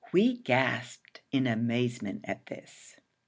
We gasped in amazement at this.